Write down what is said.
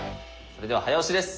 それでは早押しです。